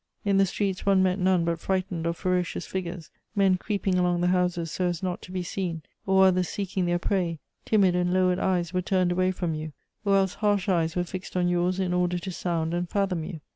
In the streets one met none but frightened or ferocious figures, men creeping along the houses so as not to be seen, or others seeking their prey: timid and lowered eyes were turned away from you, or else harsh eyes were fixed on yours in order to sound and fathom you.